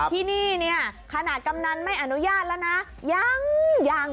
ที่นี่ขนาดกำนันไม่อนุญาตแล้วนะ